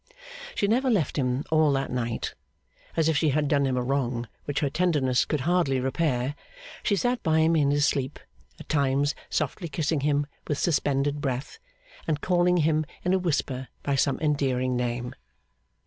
She never left him all that night. As if she had done him a wrong which her tenderness could hardly repair, she sat by him in his sleep, at times softly kissing him with suspended breath, and calling him in a whisper by some endearing name.